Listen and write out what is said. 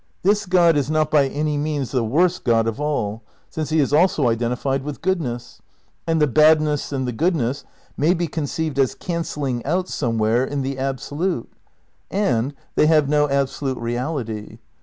This God is not by any means the worst God of all, since he is also identified with goodness ; and the bad ness and the goodness may be conceived as cancelling out somehow in the Absolute. And they have no ab solute reality.